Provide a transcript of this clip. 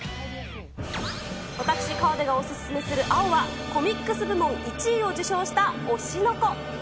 私、河出がお薦めする青はコミックス部門１位を受賞した推しの子。